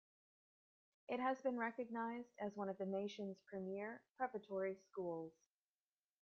It has been recognized as one of the nation's premier preparatory schools.